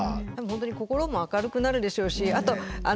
本当に心も明るくなるでしょうしあと